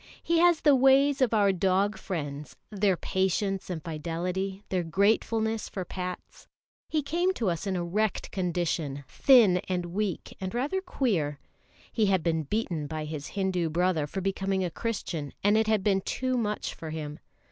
He has the ways of our dog friends, their patience and fidelity, their gratefulness for pats. He came to us in a wrecked condition, thin and weak and rather queer. He had been beaten by his Hindu brother for becoming a Christian, and it had been too much for him.